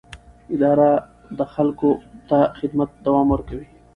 اداره د خلکو خدمت ته دوام ورکوي.